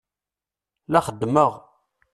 La xeddemeɣ.